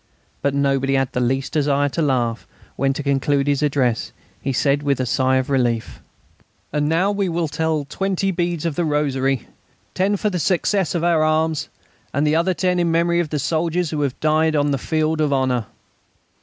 But nobody had the least desire to laugh when, to conclude his address, he said with a sigh of relief: "And now we will tell twenty beads of the rosary; ten for the success of our arms, and the other ten in memory of soldiers who have died on the field of honour....